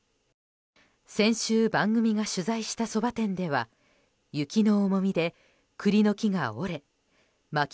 先週、番組が取材したそば店では雪の重みで栗の木が折れまき